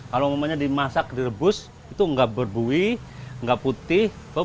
kalau dimasak direbus itu enggak berbuih enggak putih bagus